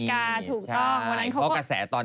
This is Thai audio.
ใหม่ดาลิกาถูกต้อง